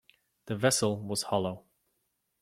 The vessel was hollow.